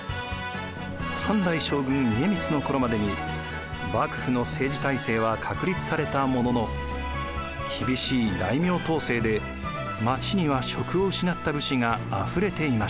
３代将軍・家光の頃までに幕府の政治体制は確立されたものの厳しい大名統制で町には職を失った武士があふれていました。